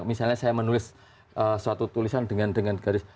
misalnya saya menulis suatu tulisan dengan garis